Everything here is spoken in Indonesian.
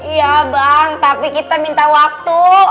iya bang tapi kita minta waktu